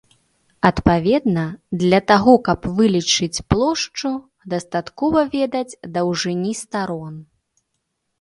Адпаведна, для таго каб вылічыць плошчу дастаткова ведаць даўжыні старон.